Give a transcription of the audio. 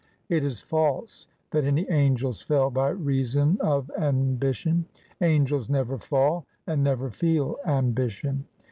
It is false, that any angels fell by reason of ambition. Angels never fall; and never feel ambition.